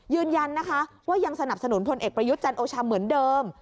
ยืนยันนะคะว่ายังสนับสนุนพลเอกประยุทธ์จันโอชาเหมือนเดิม